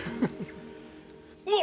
うわっ！